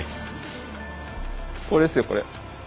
これですよこれ。